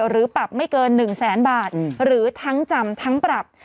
หรือปรับไม่เกิน๑แสนบาทหรือทั้งจำทั้งปรับ